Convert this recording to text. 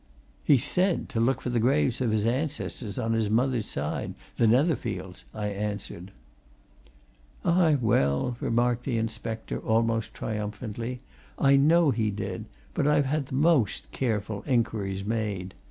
"He said to look for the graves of his ancestors on the mother's side, the Netherfields," I answered. "Aye, well!" remarked the inspector, almost triumphantly. "I know he did but I've had the most careful inquires made.